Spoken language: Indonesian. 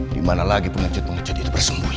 di mana lagi pengecut pengecut itu bersembunyi